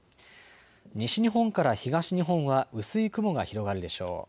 西日本から東日本は薄い雲が広がるでしょう。